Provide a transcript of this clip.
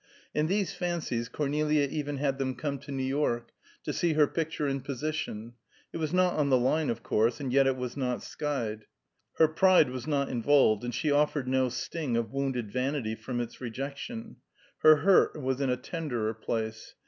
In these fancies Cornelia even had them come to New York, to see her picture in position; it was not on the line, of course, and yet it was not skyed. Her pride was not involved, and she suffered no sting of wounded vanity from its rejection: her hurt was in a tenderer place.